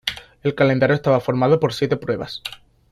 El calendario estaba formado por siete pruebas.